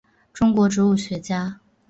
中国植物学家。